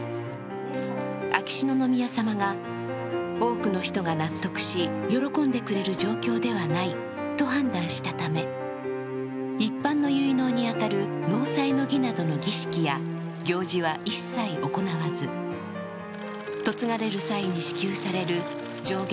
秋篠宮さまが、多くの人が納得し喜んでくれる状況ではないと判断したため一般の結納に当たる納采の儀などの儀式や行事は一切行わず嫁がれる際に支給される上限